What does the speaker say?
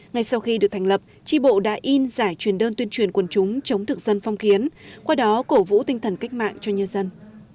ngày sau khi được thành lập tri bộ đã in giải truyền đơn tuyên truyền quân chúng chống thực dân phong khiến qua đó cổ vũ tinh thần kích mạng cho nhân dân